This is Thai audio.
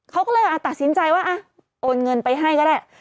เขาก็เลยตัดสินใจว่าโอนเงินไปให้ก็ได้